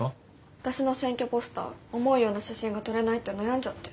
私の選挙ポスター思うような写真が撮れないって悩んじゃって。